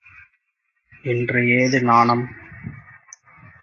இன்று ஏது நாணம்?